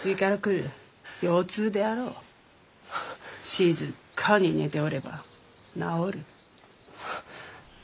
静かに寝ておれば治る。